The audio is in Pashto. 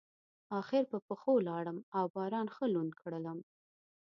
اخر په پښو لاړم او باران ښه لوند کړلم.